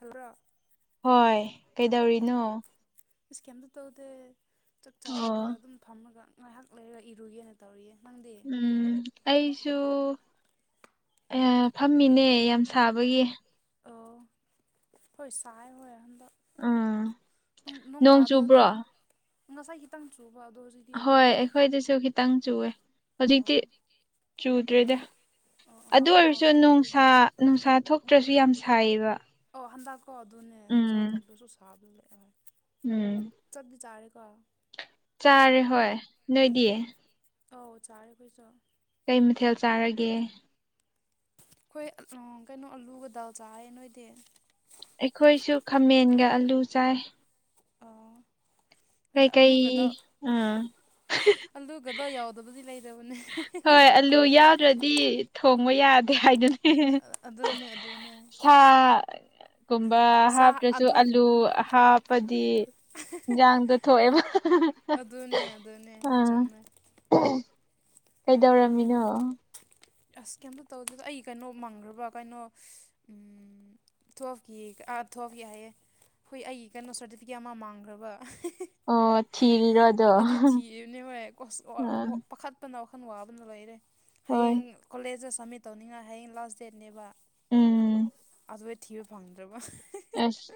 hello ꯍꯣꯏ ꯀꯩꯗꯧꯔꯤꯅꯣ ꯃꯤꯁ ꯀꯩꯝꯇ ꯇꯧꯗꯦ ꯆꯥꯛ ꯆꯥꯔꯒ ꯑꯣ ꯑꯗꯨꯝ ꯐꯝꯔꯒ ꯉꯥꯏꯍꯥꯛ ꯂꯩꯔꯒ ꯏꯔꯨꯒꯦꯅ ꯇꯧꯔꯤꯌꯦ ꯅꯪꯗꯤ ꯎꯝ ꯑꯩꯁꯨ ꯑꯌꯥ ꯐꯝꯃꯤꯅꯦ ꯌꯥꯝ ꯁꯥꯕꯒꯤ ꯑꯣ ꯍꯣꯏ ꯁꯥꯏ ꯍꯣꯏ ꯍꯟꯗꯛ ꯎꯝ ꯅꯣꯡ ꯇꯥꯗ꯭ꯔꯣ ꯑꯗꯣ ꯉꯁꯥꯏ ꯈꯤꯇꯪ ꯆꯨꯕ ꯑꯗꯣ ꯍꯧꯖꯤꯛ ꯍꯣꯏ ꯑꯩꯈꯣꯏꯗꯁꯨ ꯈꯤꯇꯪ ꯆꯨꯑꯦ ꯑꯣ ꯍꯧꯖꯤꯛꯇꯤ ꯆꯨꯗ꯭ꯔꯦꯗꯥ ꯑꯣ ꯑꯗꯨ ꯑꯐꯝ ꯑꯃ ꯑꯣꯏꯔꯁꯨ ꯑꯣꯏꯔꯝꯅꯤ ꯑꯗꯨꯗꯤ ꯅꯨꯡꯁꯥ ꯅꯨꯡꯁꯥ ꯊꯣꯛꯇ꯭ꯔꯁꯨ ꯌꯥꯝ ꯁꯥꯏꯌꯦꯕ ꯑꯣ ꯍꯟꯗꯛꯀꯣ ꯑꯗꯨꯅꯦ ꯅꯨꯡꯁꯥ ꯎꯝ ꯊꯣꯛꯇꯔꯁꯨ ꯁꯥꯕꯗꯨ ꯂꯩ ꯍꯣꯏ ꯎꯝ ꯆꯠ ꯆꯥꯔꯦꯀꯣ ꯆꯥꯔꯦ ꯍꯣꯏ ꯅꯣꯏꯗꯤ ꯑꯧ ꯆꯔꯦ ꯑꯈꫭꯏꯁꯨ ꯀꯩ ꯃꯊꯦꯜ ꯆꯥꯔꯒꯦ ꯑꯩꯈꯣꯏ ꯀꯩꯅꯣ ꯑꯂꯨꯒ ꯗꯥꯜ ꯆꯥꯌꯦ ꯅꯣꯏꯗꯤ ꯑꯩꯈꯣꯏꯁꯨ ꯈꯥꯃꯦꯟꯒ ꯑꯂꯨ ꯆꯥꯏ ꯑꯣ ꯀꯩ ꯑꯩꯈꯣꯏꯗ ꯀꯩ ꯑꯥ ꯑꯜꯂꯨꯒꯗ ꯌꯥꯎꯗꯕꯗꯤ ꯂꯩꯕꯅꯦ ꯍꯣꯏ ꯑꯂꯨ ꯌꯥꯎꯗ꯭ꯔꯗꯤ ꯊꯣꯡꯕ ꯌꯥꯗꯦ ꯍꯥꯏꯗꯨꯅ ꯑꯗꯨꯅꯦ ꯑꯗꯨꯅꯦ ꯁꯥꯒꯨꯨꯝꯕ ꯆꯥ ꯍꯥꯞꯇ꯭ꯔꯁꯨ ꯑꯗꯨꯅꯦ ꯑꯂꯨ ꯍꯥꯞꯄꯗꯤ ꯏꯟꯖꯥꯡꯗꯣ ꯊꯣꯛꯑꯦꯕ ꯑꯗꯨꯅꯦ ꯑꯗꯨꯅꯦ ꯑꯥ ꯆꯨꯝꯃꯦ ꯀꯩꯗꯧꯔꯝꯃꯤꯅꯣ ꯑꯁ ꯀꯩꯇ ꯇꯧꯗꯗꯣ ꯑꯩ ꯀꯩꯅꯣ ꯃꯪꯈ꯭ꯔꯕ ꯀꯩꯅꯣ ꯎꯝ ꯊꯣꯛꯈꯤ ꯊꯣꯛꯈꯤ ꯍꯥꯏꯌꯦ ꯍꯣꯏ ꯑꯩꯒꯤ ꯀꯩꯅꯣ ꯁꯥꯔꯇꯤꯐꯤꯀꯦꯠ ꯑꯃ ꯃꯥꯡꯈ꯭ꯔꯕ ꯑꯣ ꯊꯤꯔꯤꯔꯣ ꯑꯗꯣ ꯑꯗꯨ ꯊꯤꯕꯅꯦ ꯍꯣꯏ ꯑꯥ UNINTELLIGIBLE ꯄꯥꯈꯠ ꯑꯄꯅ ꯋꯥꯈꯜ ꯋꯥꯕꯅ ꯂꯣꯏꯔꯦ ꯍꯣꯏ ꯍꯌꯦꯡ ꯀꯣꯂꯦꯖꯇ ꯁꯝꯃꯤꯠ ꯇꯧꯅꯤꯡꯉꯥꯏ ꯍꯌꯦꯡ ꯂꯥꯁ ꯗꯦꯠꯅꯦꯕ ꯎꯝ ꯑꯗꯨ ꯊꯤꯕ ꯐꯪꯗ꯭ꯔꯕ ꯑꯁ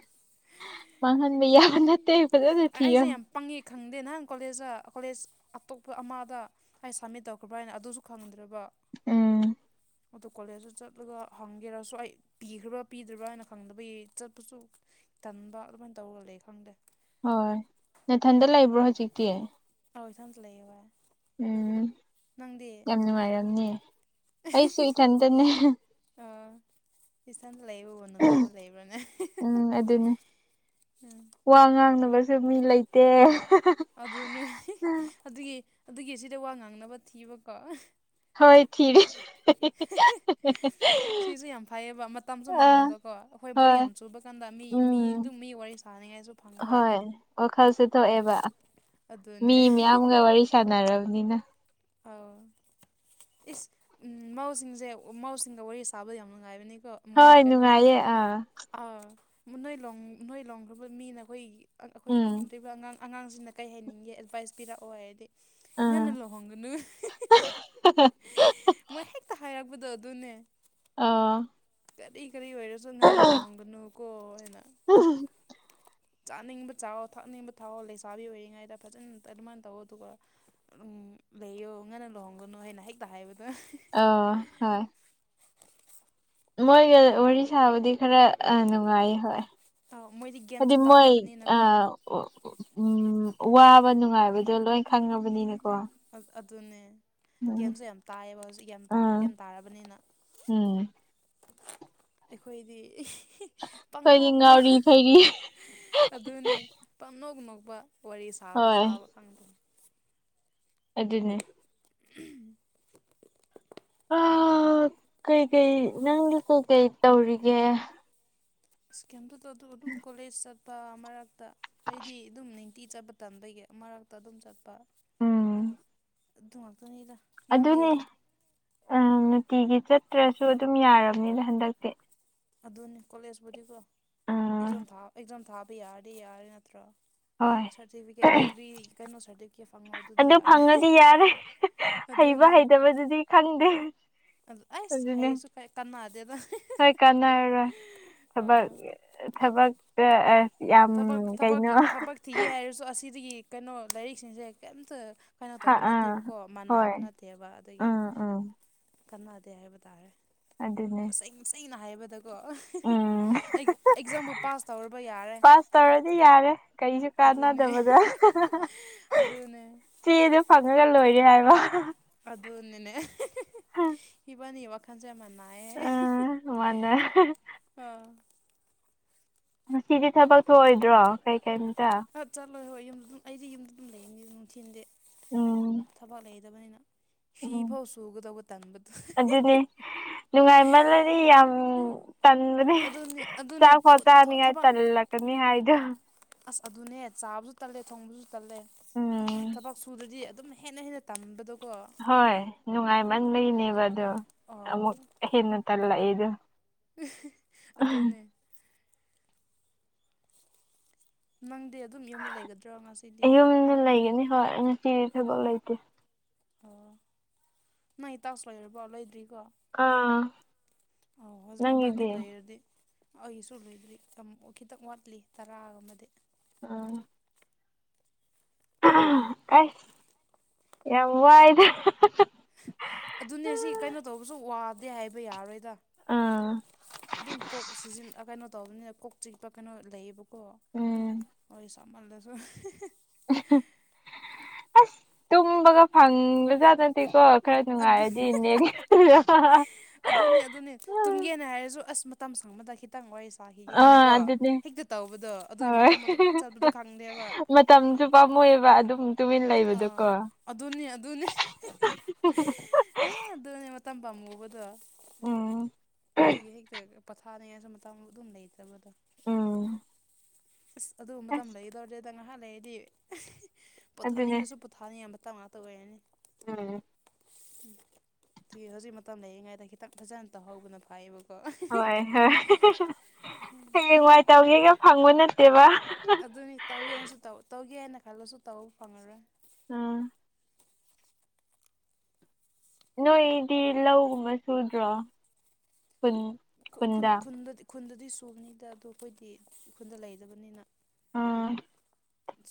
ꯃꯍꯟꯕꯤ ꯌꯥꯕ ꯅꯠꯇꯦ ꯐꯖꯅ ꯊꯤꯑꫭ ꯄꯪꯏ ꯈꯪꯗꯦ ꯅꯪ ꯀꯣꯂꯦꯖꯇ ꯀꯣꯂꯦꯖ ꯑꯇꯣꯞꯄ ꯑꯃꯗ ꯑꯩ ꯁꯝꯃꯤꯠ ꯇꯧꯈ꯭ꯔꯥ ꯍꯥꯏꯅ ꯑꯗꯨꯁꯨ ꯈꯪꯗ꯭ꯔꯕ ꯎꯝ ꯑꯗꯨ ꯀꯣꯂꯦꯖꯇ ꯆꯠꯂꯒ ꯍꯪꯒꯦꯔꯁꯨ ꯑꯩ ꯄꯤꯈ꯭ꯔꯕꯥ ꯄꯤꯗ꯭ꯔꯕ꯭ꯔꯥ ꯍꯥꯏꯅ ꯈꯪꯗꯕꯒꯤ ꯆꯠꯄꯁꯨ ꯇꯟꯕ ꯑꯗꯨꯃꯥꯏꯅ ꯇꯧꯔꯒ ꯂꯩ ꯈꯪꯗꯦ ꯍꯣꯏ ꯅꯊꯟꯗ ꯂꯩꯕ꯭ꯔꯣ ꯍꯧꯖꯤꯛꯇꯤ ꯑꯥꯎ ꯏꯊꯥꯟꯇꯥ ꯂꯩꯌꯦꯕ ꯎꯝ ꯅꯪꯗꯤ ꯌꯥꯝ ꯅꯨꯡꯉꯥꯏꯔꯝꯅꯦ ꯑꯩꯁꯨ ꯏꯊꯟꯇꯅꯦ ꯑꯥ ꯏꯁꯟꯗ ꯂꯩꯕꯕꯨ ꯅꯨꯡꯉꯥꯏꯕ ꯂꯩꯕ꯭ꯔꯥꯅꯦ ꯎꯝ ꯑꯗꯨꯅꯦ ꯎꯝ ꯋꯥ ꯉꯥꯡꯅꯕꯁꯨ ꯃꯤ ꯂꯩꯇꯦ ꯑꯗꯨꯅꯦ ꯑꯗꯨꯒꯤ ꯑꯗꯨꯒꯤ ꯑꯁꯤꯗ ꯋꯥ ꯉꯥꯡꯅꯕ ꯊꯤꯕꯀꯣ ꯍꯣꯏ ꯊꯤꯔꯤꯅꯤ [inaudible] ꯁꯤꯁꯨ ꯌꯥꯝ ꯐꯩꯌꯦꯕ ꯃꯇꯝꯁꯨ ꯑꯥ ꯃꯥꯡꯍꯟꯗꯕꯀꯣ ꯑꯩꯈꯣꯏ ꯕꯣꯔꯤꯡ ꯍꯣꯏ ꯌꯥꯝ ꯆꯨꯕ ꯀꯥꯟꯗ ꯃꯤ ꯃꯤ ꯎꯝ ꯑꯗꯨꯝ ꯃꯤ ꯋꯥꯔꯤ ꯁ ꯍꯣꯏ ꯋꯥꯈꯜꯁꯦ ꯊꯣꯛꯑꯦꯕ ꯑꯗꯨꯅꯦ ꯃꯤ ꯃꯌꯥꯝꯒ ꯋꯥꯔꯤ ꯁꯥꯟꯅꯔꯕꯅꯤꯅ ꯑꯥꯎ ꯏꯁ ꯎꯝ ꯃꯧꯁꯤꯡꯁꯦ ꯃꯧꯁꯤꯡꯒ ꯋꯥꯔꯤ ꯁꯥꯕꯗ ꯌꯥꯝ ꯅꯨꯡꯉꯥꯏꯕꯅꯤꯀꯣ ꯃꯣꯏꯅ ꯍꯣꯏ ꯀꯩꯅꯣ ꯅꯨꯡꯉꯥꯏꯌꯦ ꯑꯥ ꯅꯣꯏ ꯂꯣꯡ ꯅꯣꯏ ꯂꯣꯡꯈ꯭ꯔꯕ ꯃꯤꯅ ꯑꯩꯈꯣꯏ ꯑꯩꯈꯣꯏ ꯎꯝ ꯂꯔꯝꯗꯣꯏꯔꯤꯕ ꯑꯉꯥꯡ ꯑꯉꯥꯡꯁꯤꯡꯅ ꯀꯩ ꯍꯥꯏꯅꯤꯡꯒꯦ ꯑꯦꯗꯚꯥꯏꯁ ꯄꯤꯔꯛꯑꯣ ꯍꯥꯏꯔꯗꯤ ꯅꯪ ꯅ ꯑꯥ ꯂꯣ ꯍꯣꯡꯒꯅꯨ ꯃꯣꯏ ꯍꯦꯛꯇ ꯍꯥꯏꯔꯛꯄꯗꯣ ꯑꯗꯨꯅꯦ ꯑꯥ ꯀꯔꯤ ꯀꯔꯤ ꯑꯣꯏꯔꯁꯨ ꯉꯟꯅ ꯂꯨꯍꯣꯡꯒꯅꯨ ꯀꯣ ꯍꯥꯏꯅ ꯆꯥꯅꯤꯡꯕ ꯆꯥꯋꯣ ꯊꯥꯛꯅꯤꯡꯕ ꯊꯥꯛꯑꯣ ꯂꯩꯁꯥꯕꯤ ꯑꯣꯏꯔꯤꯉꯩꯗ ꯐꯖꯅ ꯑꯗꯨꯃꯥꯏꯅ ꯇꯧꯋꯣ ꯑꯗꯨꯒ ꯎꯝ ꯂꯩꯌꯣ ꯉꯟꯅ ꯂꯨꯍꯣꯡꯒꯅꯨ ꯍꯥꯏꯅ ꯍꯦꯛꯇ ꯍꯥꯏꯕꯗ ꯑ ꯍꯣꯏ ꯃꯣꯏꯒ ꯋꯥꯔꯤ ꯁꯥꯕꯗꯤ ꯈꯔ ꯅꯨꯡꯉꯥꯏ ꯍꯣꯏ ꯑꯧ ꯃꯣꯏꯗꯤ ꯍꯥꯏꯗꯤ ꯒ꯭ꯌꯥꯟꯁꯨ ꯃꯣꯏ ꯑ ꯇꯥꯔꯕꯅꯤꯅꯀꯣ ꯑꯣ ꯎꯝ ꯋꯥꯕ ꯅꯨꯡꯉꯥꯏꯕꯗꯣ ꯂꯣꯏ ꯈꯪꯉꯕꯅꯤꯅꯀꯣ ꯑꯗꯨꯅꯦ ꯎꯝ ꯒ꯭ꯌꯥꯟꯖꯨ ꯌꯥꯝ ꯇꯥꯏꯌꯦꯕ ꯍꯧꯖꯤꯛ ꯒ ꯑꯥ ꯒ꯭ꯌꯥꯟ ꯇꯥꯔꯕꯅꯤꯅ ꯎꯝ ꯑꯩꯈꯣꯏꯗꯤ ꯑꯩꯈꯣꯏꯗꯤ ꯄꯪꯅꯣꯛꯅ ꯉꯥꯎꯔꯤ ꯐꯩꯔꯤ ꯑꯗꯨꯅꯤ ꯄꯪꯅꯣꯛ ꯅꯣꯛꯄ ꯋꯥꯔꯤ ꯁꯥꯕ ꯍꯣꯏ ꯁꯥꯕ ꯈꯪꯗꯕꯅꯤ ꯑꯗꯨꯅꯦ ꯎꯝ ꯑ ꯀꯩꯀꯩ ꯅꯪꯗꯤ ꯀꯩꯀꯩ ꯇꯧꯔꯤꯒꯦ ꯏꯁ ꯀꯦꯝꯇ ꯇꯧꯗꯕ ꯑꯗꯨꯝ ꯀꯣꯂꯦꯖ ꯆꯠꯄ ꯃꯔꯛꯇ ꯑꯩꯗꯤ ꯑꯗꯨꯝ ꯅꯤꯡꯇꯤ ꯆꯠꯄ ꯇꯟꯕꯩꯒꯤ ꯃꯔꯛꯇ ꯑꯗꯨꯝ ꯆꯠꯄ ꯎꯝ ꯑꯗꯨ ꯉꯥꯛꯇꯅꯤꯗ ꯅꯪꯗꯤ ꯑꯗꯨꯅꯦ ꯅꯨꯡꯇꯤꯒꯤ ꯆꯠꯇ꯭ꯔꯁꯨ ꯑꯗꯨꯝ ꯌꯥꯔꯕꯅꯤꯗ ꯍꯟꯗꯛꯇꯤ ꯑꯗꯨꯅꯤ ꯀꯣꯂꯦꯖꯄꯨꯗꯤꯀꯣ ꯎꯝ ꯑꯦꯛꯖꯥꯝ ꯑꯦꯛꯖꯥꯝ ꯊꯥꯕ ꯌꯥꯔꯗꯤ ꯌꯥꯔꯦ ꯅꯠꯇ꯭ꯔꯣ ꯍꯣꯏ ꯁꯔꯇꯐꯤꯀꯦꯠ ꯗꯤꯒ꯭ꯔꯤ ꯀꯩꯅꯣ ꯁꯔꯇꯤꯐꯤꯀꯦꯠ ꯐꯪꯉꯛ ꯑꯗꯨ ꯑꯗꯨ ꯐꯪꯉꯗꯤ ꯌꯥꯔꯦ ꯍꯩꯕ ꯑꯗꯨꯅꯦ ꯍꯩꯇꯕꯗꯨꯗꯤ ꯈꯪꯗꯦ ꯑꯗꯨ ꯑꯩꯁ ꯑꯗꯨꯅꯦ ꯍꯩꯔꯁꯨ ꯀꯩ ꯀꯥꯟꯅꯗꯦꯗ ꯍꯣꯏ ꯀꯥꯟꯅꯔꯔꯣꯏ ꯊꯕꯛ ꯑꯥ ꯊꯕꯛꯇ ꯑꯦ ꯊꯕꯛ ꯊꯕꯛ ꯊꯕꯛ ꯊꯤꯒꯦ ꯍꯥꯏꯔꯁꯨ ꯑꯁꯤꯗꯒꯤ ꯀꯩꯅꯣ ꯂꯥꯏꯔꯤꯛꯁꯤꯡꯁꯦ ꯀꯩꯝꯇ ꯀꯩꯅꯣ ꯍꯥ ꯇꯧꯕ ꯑꯥ ꯅꯠꯇꯦꯕꯀꯣ ꯍꯣꯏ ꯃꯥꯟꯅꯕ ꯅꯠꯇꯦꯕ ꯑꯗꯒꯤ ꯎꯝ ꯎꯝ ꯀꯅꯥꯗꯦ ꯍꯥꯏꯕꯇꯥꯔꯦ ꯑꯗꯨꯅꯦ ꯏꯁꯦꯡ ꯁꯦꯡꯅ ꯍꯥꯏꯕꯗꯀꯣ ꯎꯝ ꯑꯦꯛꯖꯥꯝꯕꯨ ꯄꯥꯁ ꯇꯧꯔꯕ ꯌꯥꯔꯦ ꯄꯥꯁ ꯇꯧꯔꯗꯤ ꯌꯥꯔꯦ ꯀꯔꯤꯁꯨ ꯑꯗꯨꯅꯦ ꯀꯥꯟꯅꯗꯕꯗ ꯑꯗꯨꯅꯦ ꯆꯦꯗꯨ ꯐꯪꯉꯒ ꯂꯣꯏꯔꯦ ꯍꯥꯏꯕ ꯑꯗꯨꯅꯤꯅꯦ ꯏꯕꯥꯟꯅꯤ ꯋꯥꯈꯜ ꯈꯥꯟꯖꯦ ꯃꯥꯟꯅꯩꯌꯦ ꯎꯝ ꯃꯥꯅꯦ ꯑꯣ ꯉꯁꯤꯗꯤ ꯊꯕꯛ ꯊꯣꯛꯑꯣꯏꯗ꯭ꯔꯣ ꯀꯩ ꯀꯩꯇ ꯑ ꯆꯠꯂꯣꯏ ꯍꯣꯏ ꯌꯨꯝꯗ ꯑꯗꯨꯝ ꯑꯩꯗꯤ ꯌꯨꯝꯗ ꯑꯗꯨꯝ ꯂꯩꯔꯅꯤ ꯅꯨꯡꯊꯤꯟꯗꯤ ꯎꯝ ꯊꯕꯛ ꯂꯩꯗꯕꯅꯤꯅ ꯐꯤ ꯎꯝ ꯐꯥꯎ ꯁꯨꯒꯗꯧꯕ ꯇꯟꯕꯗꯣ ꯑꯗꯨꯅꯦ ꯅꯨꯡꯉꯥꯏꯃꯜꯂꯗꯤ ꯌꯥꯝ ꯎꯝ ꯇꯟꯕꯅꯤ ꯑꯗꯨꯅꯤ ꯑꯗꯨꯅꯤ ꯆꯥꯛ ꯐꯥꯎ ꯆꯥꯅꯤꯉꯥꯏ ꯊꯕꯛ ꯇꯜꯂꯛꯀꯅꯤ ꯍꯥꯏꯗꯣ ꯑꯁ ꯑꯗꯨꯅꯦ ꯆꯥꯕꯁꯨ ꯇꯜꯂꯦ ꯊꯣꯡꯕꯁꯨ ꯇꯜꯂꯦ ꯎꯝ ꯊꯕꯛ ꯁꯨꯗꯗꯤ ꯑꯗꯨꯝ ꯍꯦꯟꯅ ꯍꯦꯟꯅ ꯇꯝꯕꯗꯣꯀꯣ ꯍꯣꯏ ꯅꯨꯡꯉꯥꯏꯃꯟꯕꯩꯅꯦꯕ ꯑꯗꯣ ꯑꯣ ꯑꯃꯨꯛ ꯍꯦꯟꯅ ꯇꯜꯂꯛꯏꯗꯣ [unintelligible] ꯑꯗꯨꯅꯦ ꯅꯪꯗꯤ ꯑꯗꯨꯝ ꯌꯨꯝꯗ ꯂꯩꯒꯗ꯭ꯔꯣ ꯉꯁꯤ ꯌꯨꯝꯗ ꯂꯩꯒꯅꯤ ꯍꯣꯏ ꯉꯁꯤꯗꯤ ꯊꯕꯛ ꯂꯩꯇꯦ ꯑꯣ ꯅꯣꯏ ꯇꯥꯎꯁ ꯂꯣꯏꯔꯕꯣ ꯂꯣꯢꯗ꯭ꯔꯤꯀꯣ ꯑꯥ ꯑꯣ ꯍꯟꯗꯛꯇꯤ ꯅꯪꯒꯤꯗꯤ ꯂꯣꯢꯔꯗꯤ ꯑꯩꯁꯨ ꯂꯣꯏꯗ꯭ꯔꯤ ꯌꯥꯝ ꯈꯤꯇꯪ ꯋꯥꯠꯂꯤ ꯇꯔꯥꯒ ꯑꯃꯗꯤ ꯑꯥ ꯑꯁ ꯌꯥꯝ ꯋꯥꯏꯗ ꯑꯗꯨꯅꯦ ꯁꯤ ꯀꯩꯅꯣ ꯇꯧꯕꯁꯨ ꯋꯥꯗꯦ ꯍꯥꯏꯕ ꯌꯥꯔꯣꯏꯗ ꯑꯥ ꯑꯗꯨꯝ ꯀꯣꯛ ꯁꯤꯖꯤ ꯀꯩꯅꯣ ꯇꯧꯕꯅꯤꯅ ꯀꯣꯛ ꯆꯤꯛꯄ ꯀꯩꯅꯣ ꯂꯩꯌꯦꯕ ꯎꯝ [unintelligible] ꯑꯁ ꯇꯨꯝꯕꯒ ꯐꯪꯗꯦ [unintelligible] ꯈꯔ ꯑꯗꯨ ꯅꯨꯡꯉꯥꯏꯔꯗꯤ ꯅ [unintelligible] ꯑꯗꯨꯅꯦ ꯑꯗꯨꯅꯦ ꯇꯨꯝꯒꯦꯅ ꯍꯥꯏꯔꯁꯨ ꯑꯁ ꯃꯇꯝ ꯁꯪꯕ ꯈꯤ ꯈꯤꯇꯪ ꯋꯥꯔꯤ ꯁꯥꯈꯤꯒꯦ ꯑꯥ ꯍꯥꯏꯅꯀꯣ ꯑꯗꯨꯅꯦ ꯍꯦꯛꯇ ꯇꯧꯕꯗꯣ ꯑꯗꯨꯒꯤ ꯍꯣꯏ ꯃꯇꯝ ꯑꯗꯨꯝ ꯆꯠꯄꯗꯣ ꯈꯪꯗꯦꯕ ꯃꯇꯝꯁꯨ ꯄꯥꯝꯃꯨꯏꯕ ꯑꯗꯨꯝ ꯇꯨꯃꯤꯟ ꯑꯥ ꯂꯩꯕꯗꯣꯀꯣ ꯑꯗꯨꯅꯦ ꯑꯗꯨꯅꯤ ꯑꯦ ꯑꯗꯨꯅꯦ ꯃꯇꯝ ꯄꯥꯝꯃꯨꯕꯗꯣ ꯎꯝ ꯑꯗꯨꯒꯤ ꯍꯦꯛꯇ ꯄꯊꯥꯅꯤꯡꯉꯥꯁꯨ ꯃꯇꯥꯝ ꯑꯗꯨꯝ ꯂꯩꯇꯕꯗꯣ ꯎꯝ ꯑꯁ ꯑꯗꯨ ꯃꯇꯝ ꯑꯁ ꯂꯩꯒꯗꯧꯔꯦ ꯑꯗ ꯉꯥꯏꯍꯥꯛ ꯂꯩꯔꯗꯤ ꯑꯗꯨꯅꯦ ꯄꯣꯊꯥꯅꯤꯡꯗꯁꯨ ꯊꯥꯅꯤ ꯑꯃꯇ ꯉꯥꯛꯇ ꯑꯣꯏꯔꯅꯤ ꯎꯝ [unintelligible] ꯍꯧꯖꯤꯛ ꯃꯇꯝ ꯂꯩꯔꯤꯉꯩꯗ ꯈꯤꯇꯪ ꯐꯖꯅ ꯇꯧꯍꯧꯕꯅ ꯐꯩꯌꯦꯕꯣ ꯍꯣꯏ ꯍꯣꯏ ꯍꯌꯦꯡ ꯋꯥꯏꯇꯧꯒꯦꯒ ꯐꯪꯕ ꯅꯠꯇꯦꯕ ꯑꯗꯨꯅꯤ ꯇꯧꯒꯦ ꯍꯥꯏꯅꯁꯨ ꯇꯧꯒꯦꯅ ꯈꯜꯂꯁꯨ ꯇꯧꯕ ꯐꯪꯉꯔꯣꯏ ꯎꯝ ꯅꯣꯏꯗꯤ ꯂꯧꯒꯨꯝꯕ ꯁꯨꯗ꯭ꯔꯣ ꯈꯨꯟ ꯈꯨ ꯈꯨ ꯈꯨꯟꯗ ꯈꯨꯟꯗꯗꯤ ꯆꯨꯕꯅꯤꯗ ꯑꯗꯣ ꯑꯩꯈꯣꯏꯗꯤ ꯈꯨꯟꯗ ꯂꯩꯗꯕꯅꯤꯅ ꯎꯝ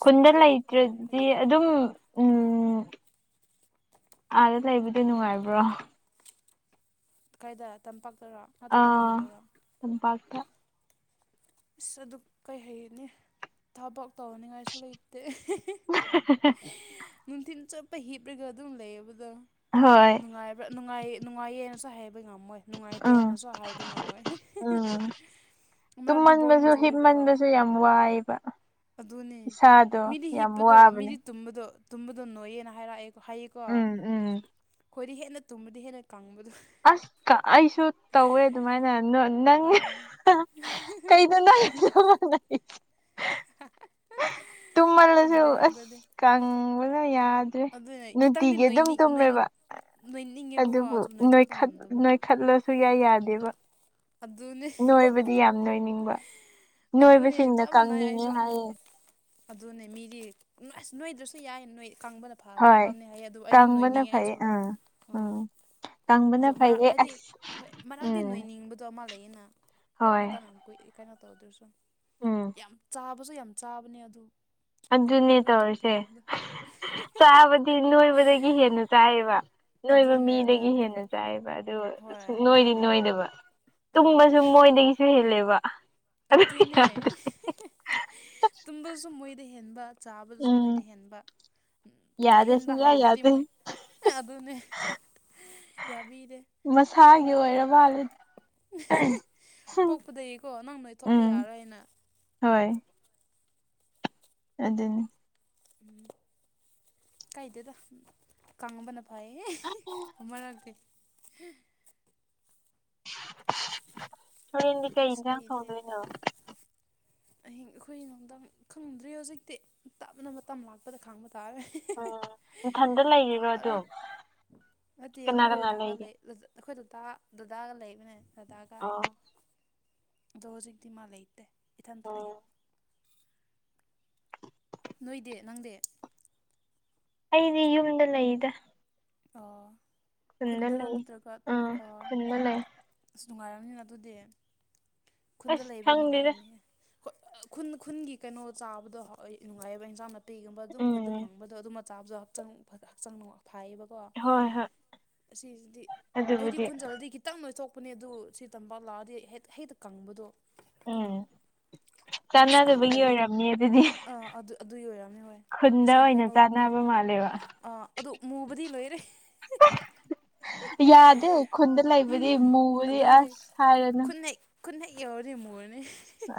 ꯈꯨꯟꯗ ꯁꯨꯗꯦ ꯍꯥꯏꯕ ꯇꯥꯔꯦ ꯂꯩꯇ꯭ꯔꯗꯤ ꯑꯩꯈꯣꯏꯗꯤ ꯑꯗꯨꯝ ꯎꯝ ꯑꯥꯗ ꯂꯩꯕꯗꯤ ꯅꯨꯡꯉꯥꯏꯕ꯭ꯔꯣ ꯀꯥꯏꯗ ꯇꯝꯄꯥꯛꯇꯔꯣ ꯅꯠꯇ꯭ꯔꯒ ꯑꯥ ꯈꯨꯟꯗꯔꯣ ꯇꯝꯄꯥꯛꯇ ꯏꯁ ꯑꯗꯨꯛ ꯀꯩꯍꯥꯏꯅꯤ ꯊꯕꯛ ꯇꯧꯍꯅꯤꯡꯉꯥꯏꯁꯨ ꯂꯩꯇꯦ [unintelligible] ꯅꯨꯡꯊꯤꯟ ꯆꯨꯞꯄ ꯍꯤꯞꯂꯒ ꯑꯗꯨꯝ ꯂꯩꯕꯗꯣ ꯍꯣꯏ ꯅꯨꯡꯉꯥꯏꯕ꯭ꯔꯥ ꯅꯨꯡꯉꯥꯏ ꯅꯨꯡꯉꯥꯏꯌꯦꯅꯁꯨ ꯍꯥꯏꯕ ꯉꯝꯃꯣꯏ ꯅꯨꯡꯉꯥꯏꯇꯦ ꯎꯝ ꯍꯥꯏꯅꯁꯨ ꯍꯥꯏꯕ ꯉꯝꯃꯣꯏ ꯎꯝ ꯃꯔꯝꯗꯤ ꯕꯣꯔꯤꯡ ꯇꯨꯝꯃꯟꯕꯁꯨ ꯆꯨꯑꯦꯕꯀꯣ ꯍꯤꯞꯃꯟꯕꯁꯨ ꯌꯥꯝ ꯋꯥꯏꯑꯦꯕ ꯑꯗꯨꯅꯦ ꯏꯁꯥꯗꯣ ꯃꯤꯗꯤ ꯌꯥꯝ ꯍꯤꯞꯄꯗꯣ ꯋꯥꯕꯅꯦ ꯃꯤꯗꯤ ꯇꯨꯝꯕꯗꯣ ꯇꯨꯝꯕꯗꯣ ꯅꯣꯏꯌꯦꯅ ꯍꯥꯏꯔꯛꯑꯦ ꯍꯥꯏꯌꯦꯀꯣ ꯎꯝ ꯎꯝ ꯑꯩꯈꯣꯏꯗꯤ ꯍꯦꯟꯅ ꯇꯨꯝꯕꯗꯤ ꯍꯦꯟꯅ ꯀꯪꯕꯗꯣ ꯑꯁ ꯀ ꯑꯩꯁꯨ ꯇꯧꯋꯦ ꯑꯗꯨꯃꯥꯏꯅ ꯅꯪ ꯑꯥ ꯀꯩꯅꯣ ꯅꯪꯒꯥ ꯆꯞꯃꯥꯟꯅꯩꯌꯦ [unintelligible] [unintelligible] ꯇꯨꯝꯃꯜꯂꯁꯨ ꯈꯪꯗꯦ ꯑꯁ ꯑꯗꯨꯗꯤ ꯀꯪꯕꯅ ꯌꯥꯗ꯭ꯔꯦ ꯑꯗꯨꯅꯦ ꯈꯤꯇꯪꯗꯤ ꯅꯨꯡꯇꯤꯒꯤ ꯑꯗꯨꯝ ꯅꯣꯏꯅꯤ ꯅꯣꯏ ꯇꯨꯝꯃꯦꯕ ꯅꯣꯏꯅꯤꯡꯉꯦꯕꯀꯣ ꯑꯗꯨꯕꯨ ꯁꯨꯝ ꯅꯣꯏ ꯇꯣꯛꯄ ꯅꯣꯏꯈꯠ ꯉꯝꯗꯕꯗꯣ ꯅꯣꯏꯈꯠꯂꯁꯨ ꯌꯥ ꯌꯥꯗꯦꯕ ꯑꯗꯨꯅꯤ ꯅꯣꯏꯕꯗꯤ ꯌꯥꯝ ꯅꯣꯏꯅꯤꯡꯕ ꯑꯗꯨꯅꯤ ꯅꯣꯏꯕꯁꯤꯡꯅ ꯑꯃꯃꯥꯏ ꯀꯪꯅꯤꯡꯉꯦ ꯑꯩꯁꯨ ꯍꯥꯏꯌꯦ ꯑꯗꯨꯅꯦ ꯃꯤꯗꯤ ꯑꯁ ꯅꯣꯏꯗ꯭ꯔꯁꯨ ꯌꯥꯏ ꯅꯣꯏ ꯀꯥꯡꯕ ꯐꯥꯕꯅꯤ ꯍꯣꯏ ꯐꯕꯅꯤ ꯍꯥꯏꯌꯦ ꯑꯗꯨꯕꯨ ꯑꯩꯗꯤ ꯀꯪꯕꯅ ꯅꯣꯏꯅꯤꯡꯉꯦ ꯐꯩꯌꯦ ꯑꯩꯁꯨ ꯑꯥ ꯎꯝ ꯀꯪꯕꯅ ꯑꯗꯣ ꯃꯔꯛ ꯐꯩꯌꯦ ꯍꯥꯏꯗꯤ ꯑꯁ ꯍꯣꯏ ꯃꯔꯛꯇꯤ ꯎꯝ ꯅꯣꯏꯅꯤꯡꯕ ꯑꯗꯣ ꯑꯃ ꯂꯩꯌꯦꯅꯥ ꯍꯣꯏ ꯃꯇꯥꯡ ꯌꯥꯝ ꯀꯨꯏ ꯀꯩꯅꯣ ꯇꯧꯗꯔꯁꯨ ꯎꯝ ꯌꯥꯝ ꯆꯥꯕꯁꯨ ꯌꯥꯝ ꯆꯥꯕꯅꯦ ꯑꯗꯨ ꯑꯗꯨꯅꯦ ꯇꯧꯔꯤꯁꯦ ꯅꯣꯏꯊꯣꯛꯄꯤꯗꯨꯅ ꯆꯥꯕꯗꯤ ꯅꯣꯏꯕꯗꯒꯤ ꯍꯦꯟꯅ ꯆꯥꯏꯌꯦꯕ ꯅꯣꯏꯕ ꯑꯗꯨꯅꯦ ꯃꯤꯗꯒꯤ ꯑꯗꯨꯅꯦ ꯍꯦꯟꯅ ꯆꯥꯏꯕ ꯑꯗꯨ ꯍꯣꯏ ꯁꯨꯅꯣꯏꯗꯤ ꯃꯥꯅꯦ ꯅꯣꯏꯗꯕ ꯑꯥ ꯇꯨꯝꯕꯁꯨ ꯃꯣꯏꯗꯒꯤꯁꯨ ꯍꯦꯜꯂꯦꯕ ꯑꯗꯨ ꯑꯗꯨꯅꯦ ꯌꯥꯗꯦ ꯇꯨꯝꯕꯁꯨ ꯃꯣꯏꯗ ꯍꯦꯟꯕ ꯆꯥꯕꯗꯁꯨ ꯎꯝ ꯃꯣꯏꯗ ꯍꯦꯟꯕ ꯌꯥꯗꯦ ꯑꯍꯦꯟꯕ ꯁꯨꯡꯌꯥ ꯍꯥꯏꯕꯗꯨꯗꯤ ꯌꯥꯗꯦ ꯃꯣꯏ ꯑꯗꯨꯅꯦ ꯌꯥꯕꯤꯗꯦ ꯃꯁꯥꯒꯤ ꯑꯣꯏꯔꯃꯥꯂꯦ ꯄꯣꯛꯄꯗꯩꯀꯣ ꯅꯪ ꯅꯣꯏꯊꯣꯛꯄ ꯎꯝ ꯌꯥꯔꯣꯏꯅ ꯍꯣꯏ ꯑꯗꯨꯅꯤ ꯎꯝ ꯀꯥꯏꯗꯦꯗ ꯀꯪꯕꯅ ꯐꯩꯌꯦ ꯃꯔꯛꯇꯤ ꯍꯣꯔꯦꯟꯗꯤ ꯀꯩ ꯏꯁ ꯏꯟꯁꯥꯡ ꯑꯩꯗꯤ ꯇꯧꯗꯣꯏꯅꯣ ꯑꯍꯤꯡ ꯑꯩꯈꯣꯏꯔꯣꯝꯗ ꯈꯪꯗ꯭ꯔꯤ ꯍꯧꯖꯤꯛꯇꯤ ꯇꯞꯅ ꯃꯇꯝ ꯂꯥꯛꯄꯗ ꯈꯪꯕ ꯇꯥꯔꯦ ꯎꯝ ꯅꯊꯟꯗ ꯑꯗꯩ ꯂꯩꯔꯤꯕꯔꯗꯨꯝ ꯅꯠꯇꯦ ꯑꯩꯈꯣꯏ ꯗꯗꯥꯒ ꯂꯩ ꯑꯩꯈꯣꯏ ꯗꯗꯥ ꯗꯗꯥꯒ ꯂꯩꯕꯅꯦ ꯗꯗꯥꯒ ꯑꯩ ꯑꯣ ꯑꯗꯣ ꯍꯧꯖꯤꯛꯇꯤ ꯃꯥ ꯂꯩꯇꯦ ꯏꯊꯟꯇ ꯎꯝ ꯂꯩꯌꯦ ꯅꯣꯏꯗꯤ ꯅꯪꯗꯤ ꯑꯩꯗꯤ ꯌꯨꯝꯗ ꯂꯩꯗ ꯑꯣ ꯈꯨꯟꯗ ꯈꯨꯟꯗꯔꯣ ꯂꯩ ꯅꯠꯇ꯭ꯔꯒ ꯎꯝ ꯑꯣ ꯈꯨꯟꯗ ꯂꯩ ꯑꯁ ꯅꯨꯡꯉꯥꯏꯔꯝꯅꯤꯅ ꯑꯗꯨꯗꯤ ꯈꯨꯟꯗ ꯑꯁ ꯂꯩꯕꯗꯣ ꯈꯪꯗꯦꯗ ꯅꯨꯡꯉꯥꯏꯕꯥꯅꯤꯍꯦ ꯈꯨꯟ ꯈꯨꯟꯒꯤ ꯀꯩꯅꯣ ꯆꯥꯕꯗꯣ ꯍ ꯅꯨꯡꯉꯥꯏꯕ ꯏꯟꯁꯥꯡ ꯅꯥꯄꯤꯒꯨꯝꯕ ꯑꯗꯨꯝ ꯈꯨꯟꯗ ꯎꯝ ꯐꯪꯕꯗꯣ ꯑꯗꯨꯝ ꯆꯥꯕꯖꯨ ꯍꯛꯆꯥꯡ ꯐ ꯍꯛꯆꯥꯡꯅꯨꯡ ꯐꯩꯌꯦꯕ ꯀꯣ ꯍꯣꯏ ꯍꯣꯏ ꯑꯁꯤꯁꯤꯗꯤ ꯑꯩꯗꯤ ꯑꯗꯨꯕꯨꯗꯤ ꯈꯨꯟꯆꯠꯂꯗꯤ ꯈꯤ ꯈꯤꯇꯪ‌ ꯅꫭꯏꯊꯣꯛꯄꯅꯦ ꯑꯗꯨ ꯁꯤ ꯇꯝꯄꯥꯛ ꯂꯥꯛꯑꯗꯤ ꯍꯦꯛ ꯍꯦꯛꯇ ꯀꯪꯕꯗꯨ ꯎꯝ ꯑꯁ ꯈꯨꯟꯗ ꯆꯥꯟꯅꯗꯕꯒꯤ ꯂꯩꯌꯦ ꯑꯣꯏꯔꯝꯅꯤ ꯑꯗꯨꯗꯤ ꯑꯥ ꯑꯗꯨ ꯑꯗꯨꯏ ꯑꯣꯏꯔꯝꯅꯤ ꯍꯣꯏ ꯈꯨꯟꯗ ꯑꯁꯤ ꯑꯣꯏꯅ ꯀꯩꯅꯣ ꯆꯥꯅꯕ ꯃꯥꯜꯂꯦꯕ ꯑꯥ ꯑꯗꯨ ꯃꯨꯕꯗꯤ ꯂꯣꯏꯔꯦ ꯌꯥꯗꯦ ꯈꯨꯟꯗ ꯂꯩꯕꯗꯤ ꯎꯝ ꯃꯨꯕꯗꯤ ꯑꯗꯨꯅꯤ ꯑꯁ ꯍꯥꯏꯔꯦꯅ ꯈꯨꯟ ꯍꯦꯛ ꯈꯨꯟ ꯍꯦꯛ ꯌꯧꯔꯗꯤ ꯃꯨꯔꯅꯤ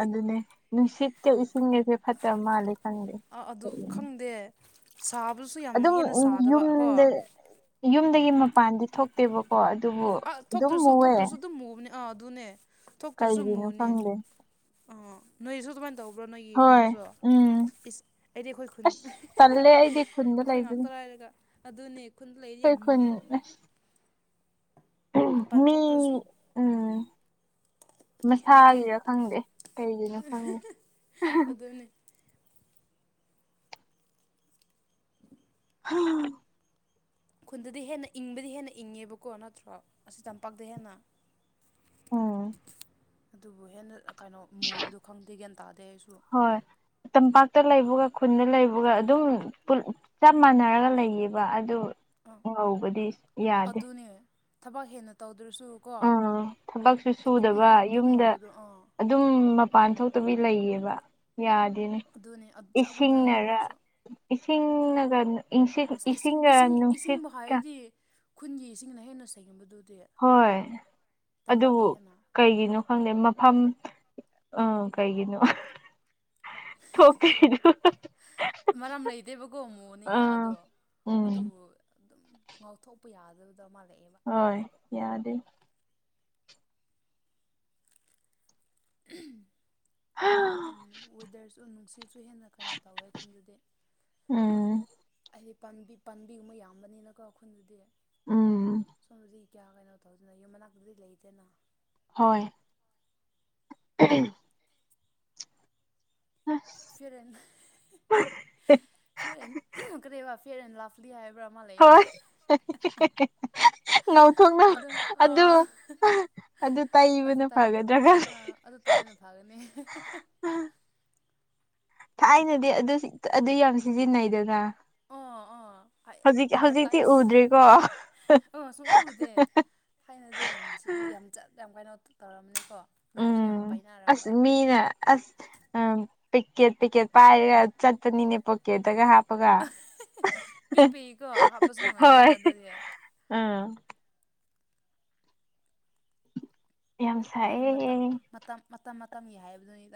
ꯑꯗꯨꯅꯦ ꯅꯨꯡꯁꯤꯠꯀ ꯏꯁꯤꯡꯒꯖꯦ ꯐꯠꯇꯕ ꯃꯥꯜꯂꯦ ꯈꯪꯗꯦ ꯗꯦ ꯁꯥꯕꯁꯨ ꯑꯗꯨꯝ ꯀꯣ ꯌꯨꯝꯗ ꯌꯨꯝꯗꯒꯤ ꯃꯄꯥꯟꯗꯤ ꯊꯣꯛ ꯊꯣꯛꯇꯦꯕꯀꯣ ꯑꯗꯨꯕꯨ ꯑꯥ ꯑꯗꯨꯝ ꯊꯣꯛꯇ꯭ꯔꯁꯨ ꯃꯨꯏꯌꯦ ꯊꯣꯛꯇ꯭ꯔꯁꯨ ꯑꯗꯨꯝ ꯃꯨꯕꯅꯦ ꯑꯥ ꯑꯗꯨꯅꯦ ꯊꯣꯛꯇ꯭ꯔꯁꯨ ꯃꯨꯅꯦ ꯈꯪꯗꯦ ꯑꯥ ꯅꯣꯏꯁꯨ ꯑꯗꯨꯃꯥꯏꯅ ꯇꯧꯕ꯭ꯔꯣ ꯅꯣꯏꯒꯤ ꯍꯣꯏ ꯈꯨꯟꯁꯨ ꯎꯝ ꯏꯁ ꯑꯩꯗꯤ ꯑꯩꯈꯣꯏ ꯈꯨꯟ ꯑꯁ ꯇꯜꯂꯦ ꯑꯩꯗꯤ ꯈꯨꯟꯗ ꯑꯩꯈꯣꯏ ꯂꯩꯕꯗꯣ ꯉꯥꯛꯇꯔ ꯍꯥꯏꯔꯒ ꯑꯗꯨꯅꯦ ꯈꯨꯟꯗ ꯂꯩꯔꯗꯤ ꯑꯩꯈꯣꯏ ꯌꯥꯝ ꯈꯨꯟ ꯃꯨꯏ ꯎꯝ ꯃꯄꯥꯟ ꯃꯤ ꯊꯣꯛꯇ꯭ꯔꯁꯨ ꯎꯝ ꯈꯦꯠꯅꯗꯦ ꯃꯁꯥꯒꯤꯔꯥ ꯈꯪꯗꯦ ꯀꯩꯒꯤꯅꯣ ꯈꯪꯗꯦ ꯑꯗꯨꯅꯤ ꯎꯝ ꯈꯨꯟꯗꯗꯤ ꯍꯦꯟꯅ ꯏꯪꯕꯗꯤ ꯍꯦꯟꯅ ꯏꯪꯉꯦꯕꯀꯣ ꯅꯠꯇ꯭ꯔꯣ ꯑꯁꯤ ꯇꯝꯄꯥꯛꯇ ꯍꯦꯟꯅ ꯑꯣ ꯑꯗꯨꯕꯨ ꯍꯦꯟꯅ ꯀꯩꯅꯣ ꯃꯨꯕꯗꯣ ꯈꯪꯗꯦ ꯒ꯭ꯌꯥꯟ ꯇꯥꯗꯦ ꯑꯩꯁꯨ ꯍꯣꯏ ꯇꯝꯄꯥꯛꯇ ꯂꯩꯕꯒ ꯈꯨꯟꯗ ꯂꯩꯕꯒ ꯑꯗꯨꯝ ꯆꯞ ꯃꯥꯟꯅꯔꯒ ꯂꯩꯌꯦꯕ ꯑꯗꯨ ꯑꯥ ꯉꯧꯕꯗꯤ ꯌꯥꯗꯦ ꯑꯗꯨꯅꯦ ꯊꯕꯛ ꯍꯦꯟꯅ ꯇꯧꯗ꯭ꯔꯁꯨꯀꯣ ꯑꯥ ꯊꯕꯛꯁꯨ ꯑꯗꯨꯝ ꯁꯨꯗꯕ ꯑꯗꯨꯝ ꯌꯨꯝꯗ ꯃꯨꯕꯗꯣ ꯑꯥ ꯑꯗꯨꯝ ꯃꯄꯥꯟ ꯊꯣꯛꯇꯕꯤ ꯂꯩꯌꯦꯕ ꯌꯥꯗꯦꯅꯦ ꯑꯗꯨꯅꯦ ꯆꯞ ꯃꯥꯟꯅꯩ ꯏꯁꯤꯡꯅꯔ ꯑꯩꯈꯣꯏꯁꯨ ꯏꯁꯤꯡ ꯏꯁꯤꯡꯒ ꯅꯨꯡꯁꯤꯠ ꯍꯥꯏꯗꯤ ꯈꯨꯟꯒꯤ ꯏꯁꯤꯡꯅ ꯍꯦꯟꯅ ꯁꯩꯒꯟꯕꯗꯨꯗꯤ ꯍꯣꯏ ꯑꯗꯨꯕꯨ ꯀꯩꯒꯤꯅꯣ ꯈꯪꯗꯦ ꯃꯐꯝ ꯑ ꯀꯩꯒꯤꯅꯣ ꯊꯣꯛꯇ꯭ꯔꯤꯗ ꯃꯔꯝ ꯂꯩꯇꯦꯕꯀꯣ ꯃꯨꯅꯤꯡꯉꯥꯏ ꯑꯗꯣ ꯑꯥ ꯎꯝ ꯑꯗꯨꯕꯨ ꯑꯗꯨꯝ ꯉꯥꯎꯊꯣꯛꯄ ꯌꯥꯗꯕꯗꯣ ꯃꯥꯜꯂꯛꯑꯦꯕ ꯍꯣꯏ ꯌꯥꯗꯦ ꯎꯝ ꯁꯨꯝ ꯋꯦꯗꯔꯁꯨ ꯅꯨꯡꯁꯤꯠꯁꯨ ꯍꯦꯟꯅ ꯀꯩꯅꯣ ꯇꯧꯋꯦ ꯑꯈꯣꯏꯗꯨꯗꯤ ꯎꯝ ꯍꯥꯏꯗꯤ ꯄꯥꯝꯕꯤ ꯄꯥꯝꯕꯤꯒꯨꯝꯕ ꯌꯥꯝꯕꯅꯤꯅꯀꯣ ꯈꯨꯟꯗꯗꯤ ꯎꯝ ꯁꯣꯝꯗꯗꯤ ꯀꯌꯥ ꯀꯩꯅꯣ ꯇꯧꯗꯅ ꯌꯨꯝ ꯃꯅꯥꯛꯇꯨꯗꯤ ꯂꯩꯗꯦꯅ ꯍꯣꯏ [unintelligible] ꯑꯁ ꯐꯤꯌꯔ [unintelligible] ꯐꯤꯌꯔ ꯑꯅ꯭ꯗ ꯂꯚ ꯗꯤ ꯍꯥꯏꯕ꯭ꯔꯥ ꯑꯃ ꯂꯩꯌꯦꯅ ꯍꯣꯏ ꯉꯧꯊꯣꯛꯅꯕ [unintelligible] ꯑꯗꯣ ꯑꯗꯨ ꯑꯣ ꯑꯗꯨ ꯑꯗꯨ ꯇꯩꯕꯅ ꯇꯥꯏ ꯐꯒꯗ꯭ꯔꯥ ꯈꯪꯗꯦ ꯑꯗꯨ ꯇꯥꯏꯕꯅ ꯐꯒꯅꯤ ꯊꯥꯏꯅꯗꯤ ꯑꯗꯨ ꯑꯗꯨ ꯌꯥꯝ ꯁꯤꯖꯤꯟꯅꯩꯗꯅ ꯑꯣ ꯑꯣ ꯍꯧꯖꯤꯛ ꯍꯧꯖꯤꯛꯇꯤ ꯑꯦꯗꯚꯔꯇꯥꯏꯁ ꯎꯗ꯭ꯔꯤꯀꯣ ꯑꯣ ꯁꯨꯡꯎ ꯎꯗꯦ ꯊꯥꯏꯅꯗꯤ ꯌꯥꯝ ꯌꯥꯝ ꯆꯠ ꯌꯥꯝ ꯀꯥꯏꯩꯅꯣ ꯇꯧꯔꯝꯅꯤꯀꯣ ꯃꯤꯅꯁꯨ ꯌꯥꯝ ꯎꯝ ꯑꯁ ꯄꯥꯏꯅꯔꯝꯕ ꯃꯤꯅ ꯑꯁ ꯎ ꯄꯦꯛꯀꯦꯠ ꯄꯦꯛꯀꯦꯠ ꯄꯥꯏꯔꯒ ꯆꯠꯄꯅꯤꯅꯦ ꯀꯦꯠꯇꯒ ꯍꯥꯞꯄꯒ ꯄꯤꯛ ꯄꯤꯛꯏꯀꯣ ꯍꯥꯞꯄꯁꯨ ꯍꯣꯏ ꯅꯨꯡꯉꯥꯏꯅꯤꯕ ꯑꯗꯨꯗꯤ ꯎꯝ ꯌꯥꯝ ꯃꯣꯏ ꯃꯇꯝ ꯁꯥꯏꯌꯦ ꯃꯇꯝ ꯃꯇꯝ ꯃꯇꯝꯒꯤ ꯍꯥꯏꯕꯗꯨꯅꯤꯗ